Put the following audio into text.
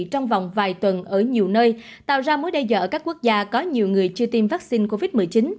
trong vòng vài tuần ở nhiều nơi tạo ra mối đe dọa ở các quốc gia có nhiều người chưa tiêm vaccine covid một mươi chín